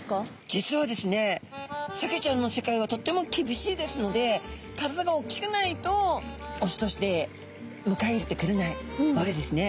実はですねサケちゃんの世界はとっても厳しいですので体がおっきくないとオスとしてむかえ入れてくれないわけですね。